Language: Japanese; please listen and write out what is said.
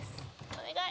お願い